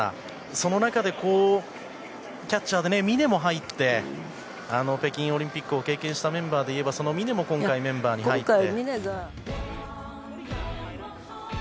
その中で、キャッチャーで峰も入って北京オリンピックを経験したメンバーでいえばその峰も今回メンバーに入って。